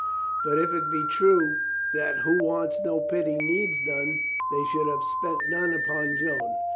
But if it be true that who wants no pity needs none, they should have spent none upon Joan.